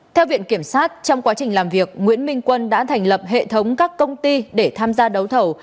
theo viện kiểm sát trong quá trình làm việc nguyễn minh quân đã thành lập hệ thống các công ty để tham gia đấu thầu